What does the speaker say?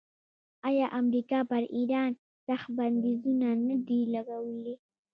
آیا امریکا پر ایران سخت بندیزونه نه دي لګولي؟